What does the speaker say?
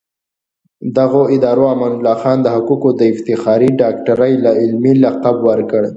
دغو ادارو امان الله خان ته د حقوقو د افتخاري ډاکټرۍ علمي لقب ورکړ.